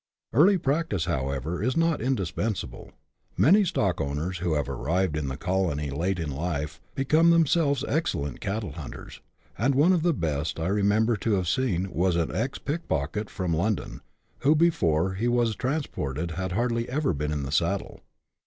Early practice, however, is not indispensable ; many stockowners who have arrived in the colony late in life, become themselves excellent cattle hunters ; and one of the best I remember to have CHAP. Ti.] HALF WILD CATTLE. 63 seen was an ex pickpocket from London, who before he was transported had hardly ever been in the saddle.